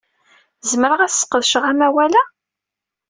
Zemreɣ ad sqedceɣ amawal-a?